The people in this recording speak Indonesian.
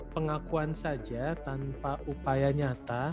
pengakuan saja tanpa upaya nyata